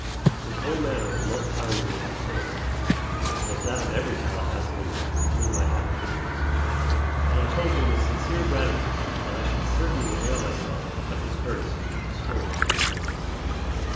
His whole manner was most kindly and hospitable, as was that of every Tallahassean with whom I had occasion to speak, and I told him with sincere gratitude that I should certainly avail myself of his courtesy and stroll through his woods.